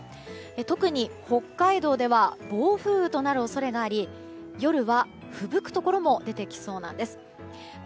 特に、北海道では暴風雨となる恐れがあり夜はふぶくところも出てきそうなんです。